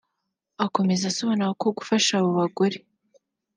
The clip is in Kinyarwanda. Akomeza asobanura ko gufasha abo bagore